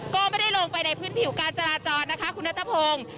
ก็ไม่ได้ลงไปในพื้นผิวการจราจรนะคะคุณนัทพงศ์